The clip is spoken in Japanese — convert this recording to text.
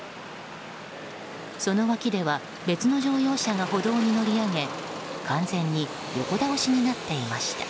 その脇では別の乗用車が歩道に乗り上げ完全に横倒しになっていました。